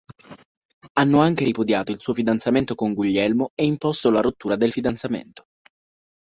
Hanno anche ripudiato il suo fidanzamento con Guglielmo e imposto la rottura del fidanzamento.